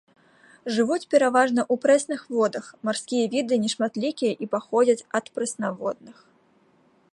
Жывуць пераважна ў прэсных водах, марскія віды нешматлікія і паходзяць ад прэснаводных.